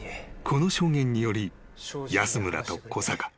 ［この証言により安村と小坂。